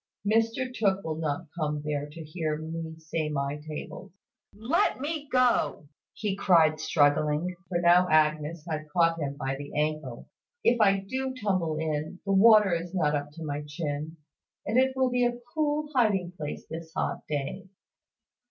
Mr Tooke will not come there to hear me say my tables. Let me go!" he cried, struggling, for now Agnes had caught him by the ankle. "If I do tumble in, the water is not up to my chin, and it will be a cool hiding place this hot day."